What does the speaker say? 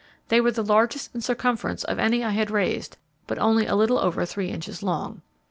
They were the largest in circumference of any I had raised, but only a little over three inches long.